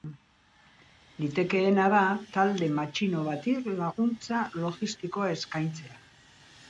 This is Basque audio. Litekeena da talde matxino bati laguntza logistikoa eskaintzea.